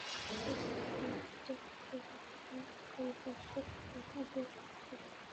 Police তাদের নিবৃত্ত করতে গেলে তারা পরিদর্শক আবু বক্কর সিদ্দিককে মারধর করে।